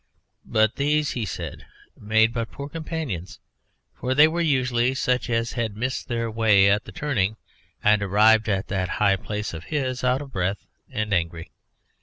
But these, he said, made but poor companions, for they were usually such as had missed their way at the turning and arrived at that high place of his out of breath and angry.